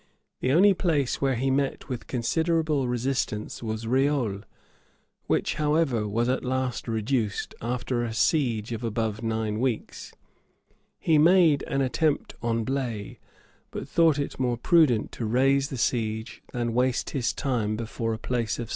The only place where he met with considerable resistance, was Reole, which, however, was at last reduced, after a siege of above nine weeks.[] He made an attempt on Blaye, but thought it more prudent to raise the siege than waste his time before a place of small importance.